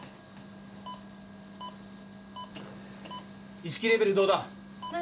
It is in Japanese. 意識レベルどうだ？